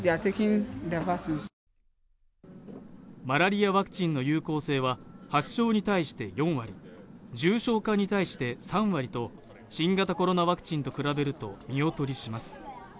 マラリアワクチンの有効性は発症に対して４割重症化に対して３割と新型コロナワクチンと比べると見劣りします